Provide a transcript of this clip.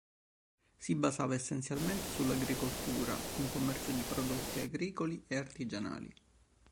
Si basava essenzialmente sulla agricoltura, con commercio di prodotti agricoli e artigianali.